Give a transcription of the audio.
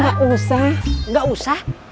kok gak usah